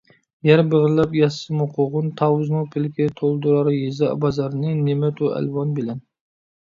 يەر بېغىرلاپ ياتسىمۇ قوغۇن - تاۋۇزنىڭ پىلىكى، تولدۇرار يېزا - بازارنى نىمەتۇ - ئەلۋان بىلەن.